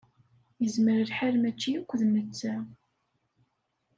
Yezmer lḥal mačči akk d netta.